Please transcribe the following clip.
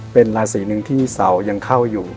เป็นราศีหนึ่งที่เสายังเข้าอยู่